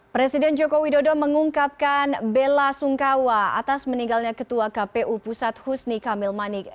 presiden joko widodo mengungkapkan bela sungkawa atas meninggalnya ketua kpu pusat husni kamil manik